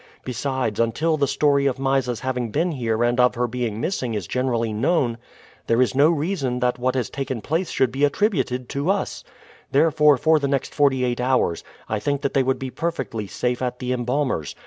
Besides, until the story of Mysa's having been here and of her being missing is generally known, there is no reason that what has taken place should be attributed to us; therefore, for the next forty eight hours I think that they would be perfectly safe at the embalmer's.